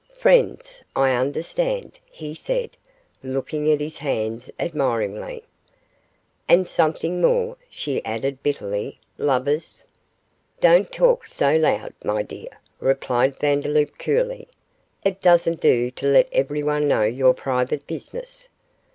'Friends, I understand,' he said, looking at his hands, admiringly. 'And something more,' she added, bitterly; 'lovers!' 'Don't talk so loud, my dear,' replied Vandeloup, coolly; 'it doesn't do to let everyone know your private business.